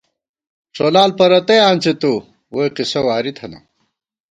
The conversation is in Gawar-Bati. ݭولال پرَتَئ آنڅِی تُو ، ووئی قصہ واری تھنہ